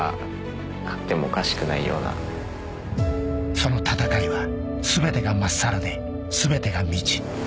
その戦いは全てがまっさらで全てが未知。